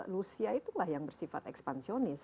rusia itulah yang bersifat ekspansionis